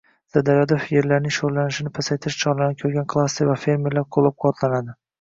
Sirdaryoda yerlarning sho‘rlanishini pasaytirish choralarini ko‘rgan klaster va fermerlar qo‘llab-quvvatlanadi